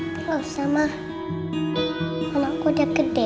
nggak usah ma anakku udah gede